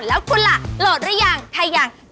แล้วคุณล่ะโหลดหรือยังใครยัง